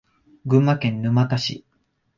群馬県沼田市